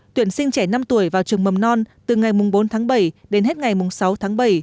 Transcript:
tuyển sinh trẻ năm tuổi vào trường mầm non từ ngày bốn tháng bảy đến hết ngày sáu tháng bảy